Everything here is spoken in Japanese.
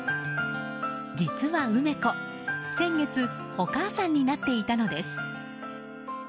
実は梅子、先月お母さんになっていたのです。